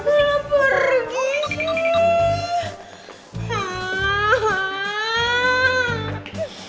kau pergi sih